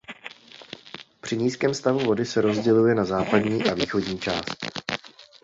Při nízkém stavu vody se rozděluje na západní a východní část.